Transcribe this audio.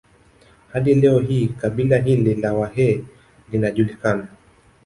Hadi leo hii kabila hili la Wahee linajulikana